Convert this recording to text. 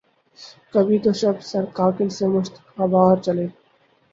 کبھی تو شب سر کاکل سے مشکبار چلے